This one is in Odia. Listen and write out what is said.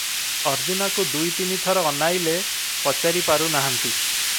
ଅର୍ଜୁନାକୁ ଦୁଇ ତିନି ଥର ଅନାଇଲେ, ପଚାରି ପାରୁ ନାହାନ୍ତି ।